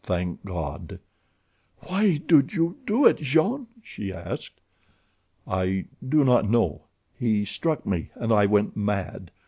"Thank God!" "Why did you do it, Jean?" she asked. "I do not know. He struck me, and I went mad.